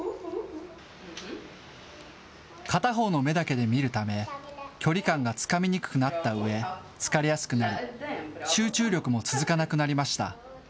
片方の目だけで見るため、距離感がつかみにくくなったうえ、疲れやすくなり、集中力も続かなくなりました。